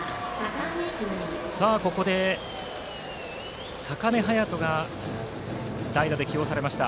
ここで坂根葉矢斗が代打で起用されました。